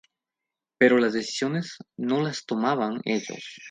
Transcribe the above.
Pero las decisiones no la tomaban ellos.